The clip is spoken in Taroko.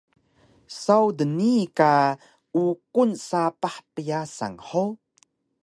Saw dnii ka uqun sapah pyasan hug?